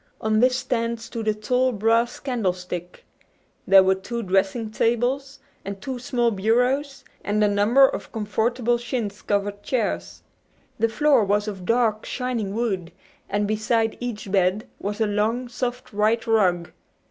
On this stand stood a tall brass candlestick. There were two dressing tables, and two small bureaus, and a number of comfortable chintz covered chairs. The floor was of dark, shining wood, and beside each bed was a long, soft white rug.